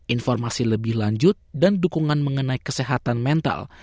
informasi lebih lanjut dan dukungan mengenai kesehatan mental